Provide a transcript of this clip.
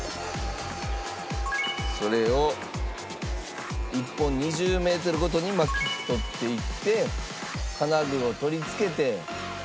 それを１本２０メートルごとに巻き取っていって金具を取り付けて。